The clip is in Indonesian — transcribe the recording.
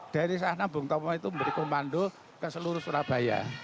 dari sana bung tomo itu memberi komando ke seluruh surabaya